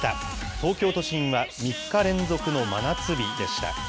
東京都心は３日連続の真夏日でした。